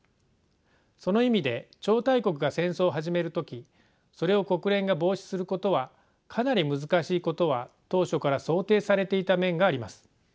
その意味で超大国が戦争を始める時それを国連が防止することはかなり難しいことは当初から想定されていた面があります。